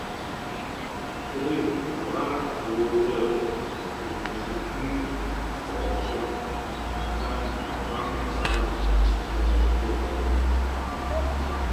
He was the last of six sons and was then called Naurang Rai.